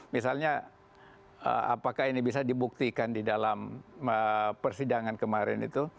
misalnya apakah ini bisa dibuktikan di dalam persidangan kemarin itu